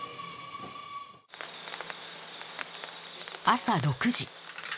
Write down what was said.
朝６時